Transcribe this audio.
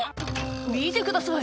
「見てください